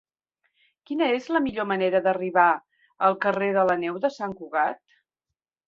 Quina és la millor manera d'arribar al carrer de la Neu de Sant Cugat?